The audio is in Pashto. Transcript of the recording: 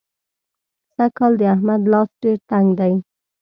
سږکال د احمد لاس ډېر تنګ دی.